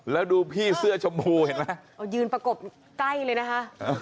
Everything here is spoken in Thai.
แล้วดูพี่เสื้อชมพูเห็นไหมเอายืนประกบใกล้เลยนะคะ